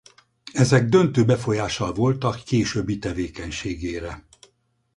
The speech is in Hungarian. Ezek döntő befolyással voltak későbbi tevékenységére.